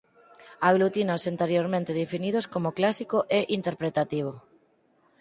Aglutina os anteriormente definidos como clásico e interpretativo.